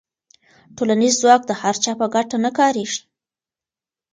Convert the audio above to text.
ټولنیز ځواک د هر چا په ګټه نه کارېږي.